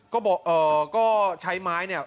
ก็บอกเอ่อก็ใช้ไม้เนี่ย